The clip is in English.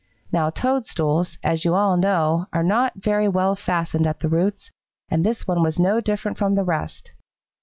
Now toadstools, as you all know, are not very well fastened at the roots, and this one was no different from the rest.